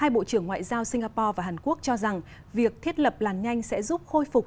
hai bộ trưởng ngoại giao singapore và hàn quốc cho rằng việc thiết lập làn nhanh sẽ giúp khôi phục